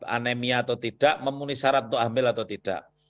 anemia atau tidak memenuhi syarat untuk hamil atau tidak